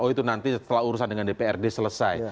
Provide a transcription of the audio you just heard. oh itu nanti setelah urusan dengan dprd selesai